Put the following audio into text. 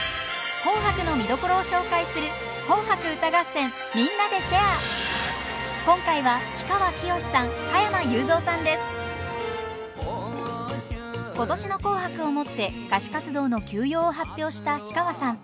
「紅白」の見どころを紹介する今回は今年の「紅白」をもって歌手活動の休養を発表した氷川さん。